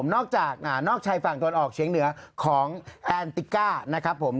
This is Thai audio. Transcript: นอกจากนอกชายฝั่งตะวันออกเฉียงเหนือของแอนติก้านะครับผม